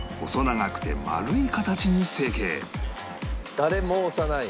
誰も押さない。